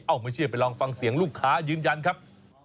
ไม่เชื่อไปลองฟังเสียงลูกค้ายืนยันครับ